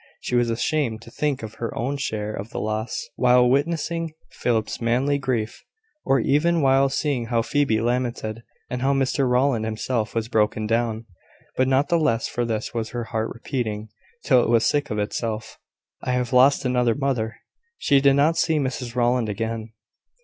She was ashamed to think of her own share of the loss while witnessing Philip's manly grief, or even while seeing how Phoebe lamented, and how Mr Rowland himself was broken down; but not the less for this was her heart repeating, till it was sick of itself, "I have lost another mother." She did not see Mrs Rowland again.